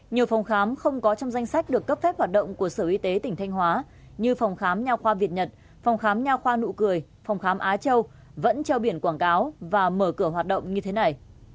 nhiều phòng khám không có trong danh sách được cấp phép hoạt động của sở y tế tỉnh thanh hóa như phòng khám nhà khoa việt nhật phòng khám nhà khoa nụ cười phòng khám á châu vẫn treo biển quảng cáo và mở cửa hoạt động như thế này